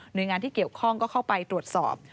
โดยงานที่เกี่ยวข้องก็เข้าไปตรวจสอบ